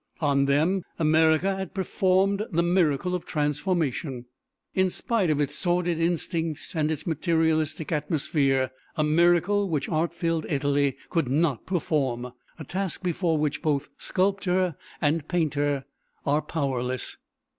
On them America has performed the miracle of transformation, in spite of its sordid instincts and its materialistic atmosphere; a miracle which art filled Italy could not perform, a task before which both sculptor and painter are powerless.